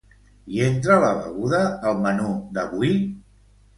Hi entra la beguda al menú d'avui?